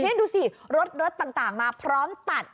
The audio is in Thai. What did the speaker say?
นี่ดูสิรถรถต่างมาพร้อมตัด